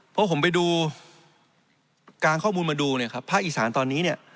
เพราะผมไปดูการข้อมูลมาดูภาคอีสานตอนนี้